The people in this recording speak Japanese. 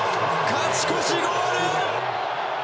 勝ち越しゴール！